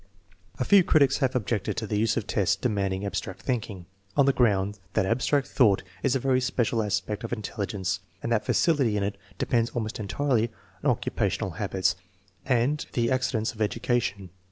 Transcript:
A few critics have objected to the use of tests demanding abstract thinking, on the ground that abstract thought is a very special aspect of intelligence and that facility in it depends almost entirely on occupational habits and the accidents of education.